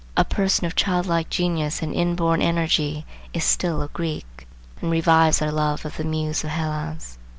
A person of childlike genius and inborn energy is still a Greek, and revives our love of the Muse of Hellas.